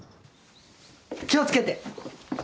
気を付けて。